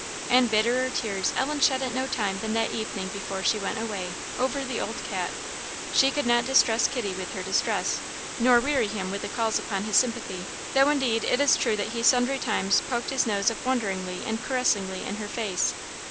And bitterer tears Ellen shed at no time than that evening before she went away, over the old cat. She could not distress kitty with her distress, nor weary him with the calls upon his sympathy, though, indeed, it is true that he sundry times poked his nose up wonderingly and caressingly in her face.